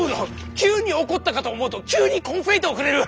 急に怒ったかと思うと急にコンフェイトをくれる。